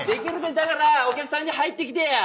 だからお客さんで入ってきてや。